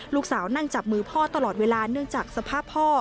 ลูกสาวนั่งจับมือพ่อตลอดเวลาเนื่องจากสภาพพ่อ